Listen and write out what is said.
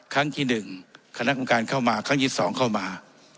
ครั้งที่๑คณะกรรมการเข้ามาครั้งที่๒เข้ามา